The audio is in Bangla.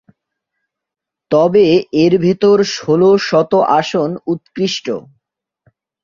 তবে এর ভিতর ষোল শত আসন উৎকৃষ্ট।